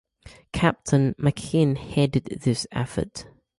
Captain Machin headed this effort.